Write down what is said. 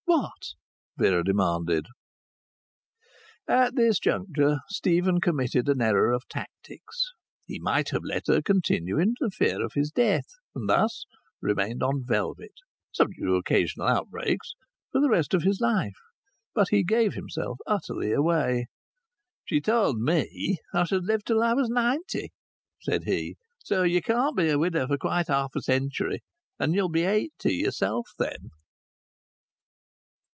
"What?" Vera demanded. At this juncture Stephen committed an error of tactics. He might have let her continue in the fear of his death, and thus remained on velvet (subject to occasional outbreaks) for the rest of his life. But he gave himself utterly away. "She told me I should live till I was ninety," said he. "So you can't be a widow for quite half a century, and you'll be eighty yourself then."